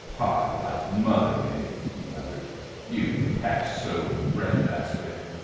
" Pie like mother made !" he muttered. " You patch sewed bread basket!